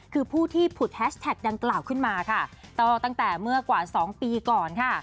คือผู้ที่ผุดแฮชแท็กดังกล่าวขึ้นมาค่ะก็ตั้งแต่เมื่อกว่าสองปีก่อนค่ะ